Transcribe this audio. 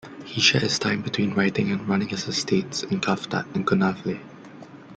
He shared his time between writing and running his estates in Cavtat and Konavle.